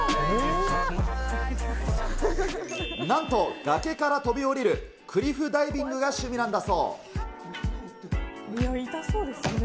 なんと、崖から飛び降りるクリフダイビングが趣味なんだそう。